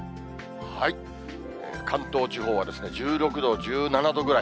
関東地方は１６度、１７度ぐらい。